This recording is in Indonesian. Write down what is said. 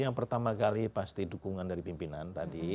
yang pertama kali pasti dukungan dari pimpinan tadi